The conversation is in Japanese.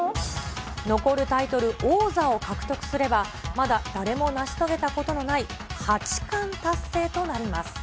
残るタイトル王座を獲得すれば、まだ誰も成し遂げたことのない八冠達成となります。